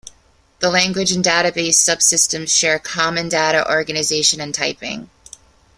The language and database subsystems share common data organization and typing.